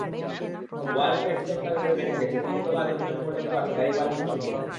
World Trade Center ঘুরে দেখা গেছে, তিনতলা বেসমেন্ট পর্যন্ত আছে গাড়ি পার্কিং সুবিধা।